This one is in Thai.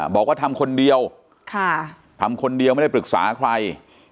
บอกว่าทำคนเดียวทำคนเดียวไม่ได้ปรึกษาใคร